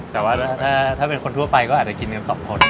แต่ว่าถ้าเป็นคนทั่วไปก็อาจจะกินกัน๒คน